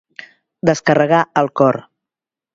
Descarregar el cor.